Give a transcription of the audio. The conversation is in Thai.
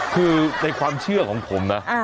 คือในความเชื่อของผมนะ